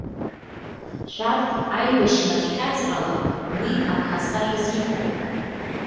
Шәарҭ, аибашьра ацәхьаҵрала, уи аԥхасҭа шәызиҭом.